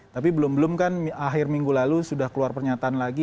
tapi belum belum kan akhir minggu lalu sudah keluar pernyataan lagi